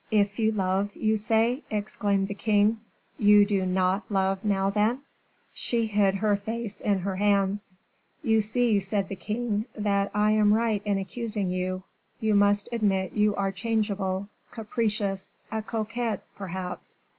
"If you love, you say," exclaimed the king; "you do not love now, then?" She hid her face in her hands. "You see," said the king, "that I am right in accusing you; you must admit you are changeable, capricious, a coquette, perhaps."